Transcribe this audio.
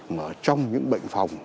mà trong những bệnh phòng